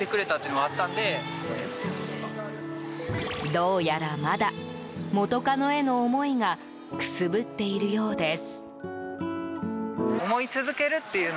どうやらまだ元カノへの思いがくすぶっているようです。